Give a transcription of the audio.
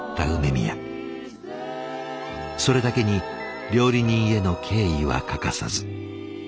それだけに料理人への敬意は欠かさず。